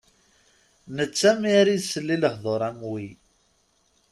Netta mi ara isel i lehdur am wi.